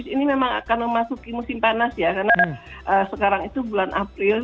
ini memang akan memasuki musim panas ya karena sekarang itu bulan april